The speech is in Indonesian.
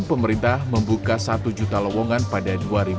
pemerintah membuka satu juta lowongan pada dua ribu dua puluh